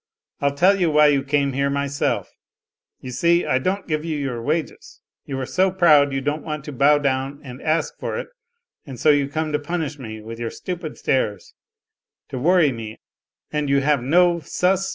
" I'll tell you why you came here myself : you see, I don't give you your wages, you are so proud you don't want to bow down and ask for it, and so you come to punish me with your stupid stares, to worry me and you have no BUS